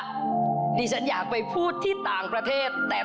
ของท่านได้เสด็จเข้ามาอยู่ในความทรงจำของคน๖๗๐ล้านคนค่ะทุกท่าน